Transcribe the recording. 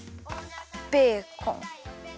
ベーコン。